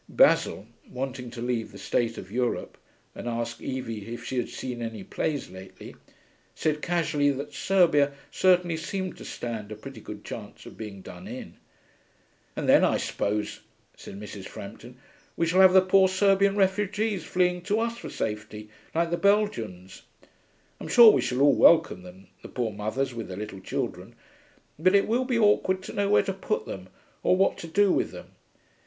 Basil, wanting to leave the state of Europe and ask Evie if she had seen any plays lately, said casually that Serbia certainly seemed to stand a pretty good chance of being done in. 'And then, I suppose,' said Mrs. Frampton, 'we shall have the poor Serbian refugees fleeing to us for safety, like the Belgians. I'm sure we shall all welcome them, the poor mothers with their little children. But it will be awkward to know where to put them or what to do with them.